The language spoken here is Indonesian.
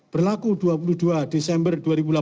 berlaku dua puluh dua desember dua ribu delapan belas